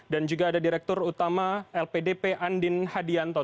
dan juga ada direktur utama lpdp andin hadianto